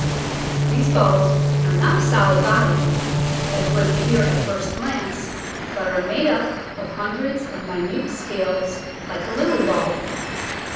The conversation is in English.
These bulbs are not a solid body, as would appear at first glance, but are made up of hundreds of minute scales like a lily bulb.